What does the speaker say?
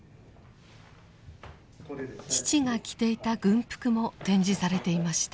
父が着ていた軍服も展示されていました。